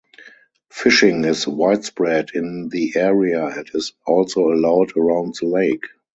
Fishing is widespread in the area and is also allowed around the lake.